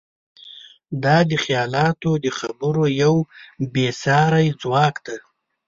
دا د خیالاتو د خبرو یو بېساری ځواک دی.